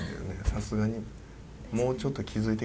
さすがにもうちょっと気付いてきたかな。